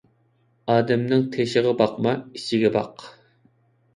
ئادەمنىڭ تېشىغا باقما، ئىچىگە باق.